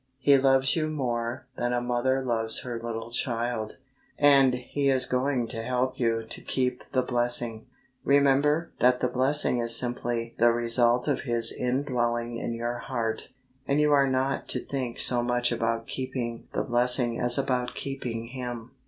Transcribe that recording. He loves you more than a mother loves her little child, and He is going to help you to keep the blessing. Remember that the blessing is simply the result of His in dwelling in your heart, and you are not to think so much about keeping the blessing as about keeping Him.